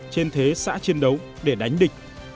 trên thế xã chiến đấu để đánh địch